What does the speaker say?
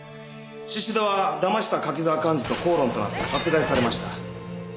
宍戸はだました柿沢寛二と口論となって殺害されました。